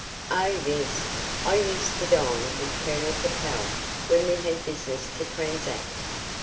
"Oh, yes! I used to dine with Colonel Capel when we had business to transact."